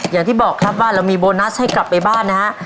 อย่างที่บอกครับว่าเรามีโบนัสให้กลับไปบ้านนะฮะ